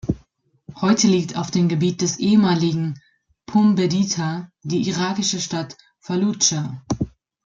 Heute liegt auf dem Gebiet des ehemaligen Pumbedita die irakische Stadt Falludscha.